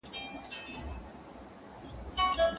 باور په ځان باندي د انسان د بریا راز دی.